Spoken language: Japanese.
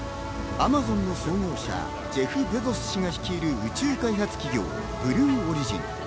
アマゾンの創業者、ジェフ・ベゾス氏が率いる宇宙開発企業・ブルーオリジン。